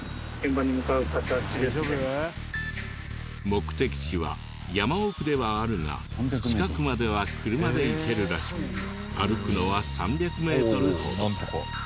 目的地は山奥ではあるが近くまでは車で行けるらしく歩くのは３００メートルほど。